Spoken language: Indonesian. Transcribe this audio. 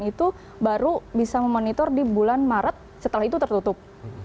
itu baru bisa memonitor di bulan maret setelah itu tertutup